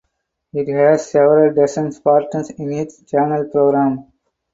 It has several dozen partners in its channel program.